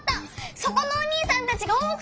そこのおにいさんたちがおおくかったんだ！